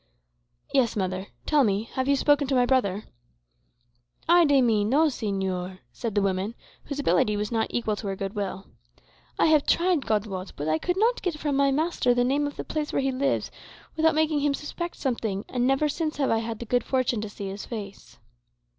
"Yes, mother. Tell me have you spoken to my brother?" "Ay de mi! no, señor," said the poor woman, whose ability was not equal to her good will. "I have tried, God wot; but I could not get from my master the name of the place where he lives without making him suspect something, and never since have I had the good fortune to see his face."